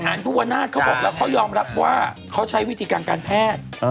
ภูวนาศเขาบอกแล้วเขายอมรับว่าเขาใช้วิธีการการแพทย์